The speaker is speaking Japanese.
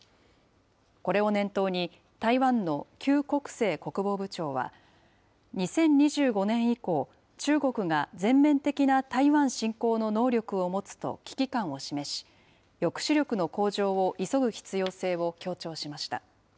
これを念頭に、台湾の邱国正国防部長は、２０２５年以降、中国が全面的な台湾侵攻の能力を持つと危機感を示し、抑止力の向上を急ぐ必要性を強調しました。